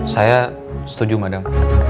saya setuju madam